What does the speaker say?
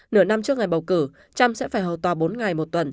nửa năm trước ngày bầu cử trump sẽ phải hầu tòa bốn ngày một tuần